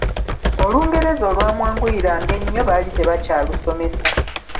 Olungereza olwamwanguyiranga ennyo baali tebakyalusomesa.